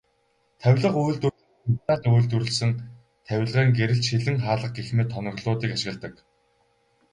Тавилга үйлдвэрлэлдээ Италид үйлдвэрлэсэн тавилгын гэрэл, шилэн хаалга гэх мэт тоноглолуудыг ашигладаг.